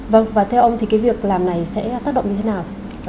vâng và theo ông thì cái việc làm này sẽ tác động như thế nào